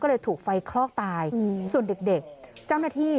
ก็เลยถูกไฟคลอกตายส่วนเด็กเด็กเจ้าหน้าที่